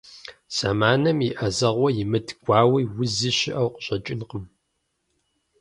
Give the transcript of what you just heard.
Зэманым и Ӏэзэгъуэ имыт гуауи узи щыӀэу къыщӀэкӀынкъым.